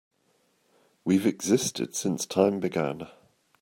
We've existed since time began.